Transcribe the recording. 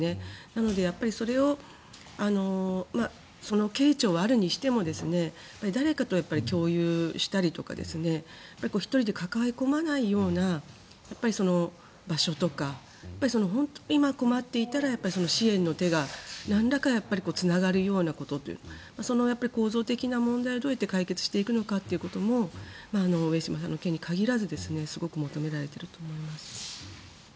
なので、やっぱりそれをその軽重はあるにしても誰かと共有したりとか１人で抱え込まないような場所とか本当に困っていたら支援の手が、なんらかつながるようなことというその構造的な問題をどうやって解決していくのかということも上島さんの件に限らずすごく求められていると思います。